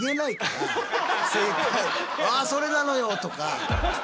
「あそれなのよ」とか。